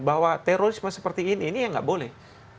bahwa terorisme seperti ini ini yang nggak boleh